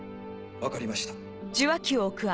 分かりました。